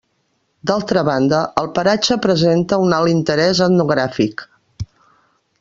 D'altra banda, el paratge presenta un alt interés etnogràfic.